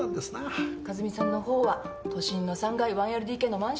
和美さんのほうは都心の３階１ＬＤＫのマンション。